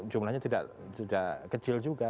jumlahnya tidak kecil juga